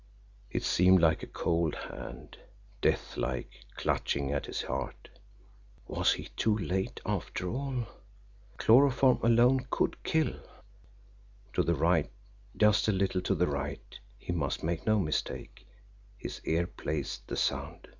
It seemed like a cold hand, deathlike, clutching at his heart. Was he too late, after all! Chloroform alone could kill! To the right, just a little to the right he must make no mistake his ear placed the sound!